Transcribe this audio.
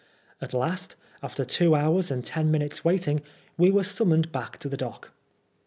At last^ after two hours and ten minutes' waiting, we were snmmoned back to the dock.